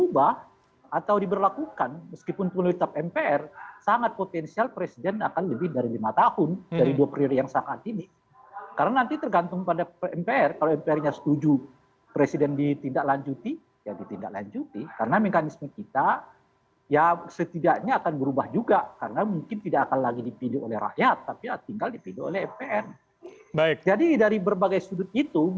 baik ini saya akan coba langsung konfirmasi kepada pak budi